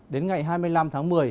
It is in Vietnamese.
đến ngày hai mươi năm tháng một mươi